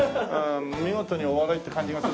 見事にお笑いって感じがするしね。